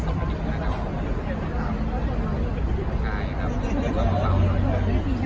ผมต้องจับต่อล่างให้เจ็บทางเข้าไปก่อนกับพี่